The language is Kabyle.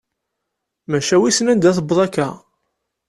Maca wissen anda tewweḍ akka.